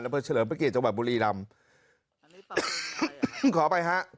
เพราะเฉลิมประเกษจังหวัดบุรีรัมขอไปฮะ